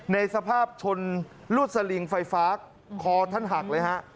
ในสภาพชนลวดสลิงไฟฟ้าคอท่านหักเลยฮะ